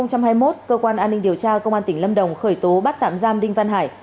ngày bảy một mươi hai nghìn hai mươi một cơ quan an ninh điều tra công an tỉnh lâm đồng khởi tố bắt tạm giam đinh văn hải